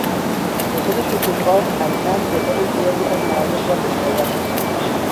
اقتصاد شکوفا کم کم تعداد زیادی از مردم را به ثروت رساند.